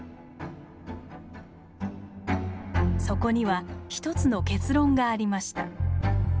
そこには１つの結論がありました。